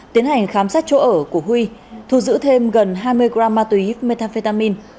tiến hành khám sát chỗ ở của huy thu giữ thêm gần hai mươi g ma túy methamphetamine